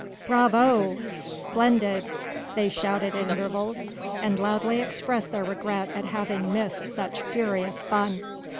"Bravo! splendid!" they shouted at intervals and loudly expressed their regret at having missed such furious fun.